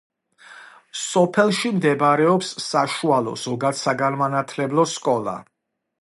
სოფელში მდებარეობს საშუალო ზოგადსაგანმანათლებლო სკოლა.